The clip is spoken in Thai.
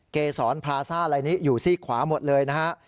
เกษรพลาซ่าอะไรนี้อยู่ซี่ขวาหมดเลยนะฮะ